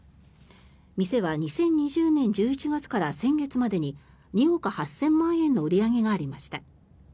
店は２０２０年１１月から先月までに２億８０００万円の売り上げがありました。